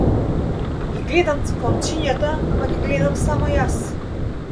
Ги гледам цикламчињата, ама ги гледам само јас.